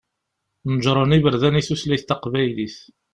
Neǧṛen iberdan i tutlayt taqbaylit.